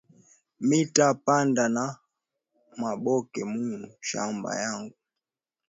Mita panda na maboke mu mashamba yangu